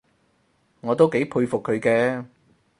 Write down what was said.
我都幾佩服佢嘅